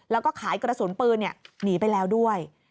แล้วก็ขายกระสุนปืนหนีไปแล้วด้วย